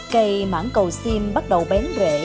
cây mãng cầu xiêm bắt đầu bén rễ